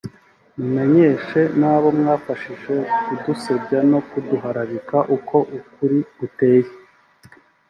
c) Mumenyeshe n’abo mwafashije kudusebya no kuduharabika uko ukuri guteye